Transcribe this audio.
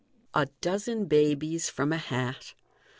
A Dozen Babies from a Hat.